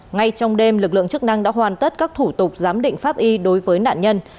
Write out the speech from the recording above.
ngay trong đêm lực lượng chức năng đã hoàn tất các thủ tục giám định pháp y đối với nạn nhân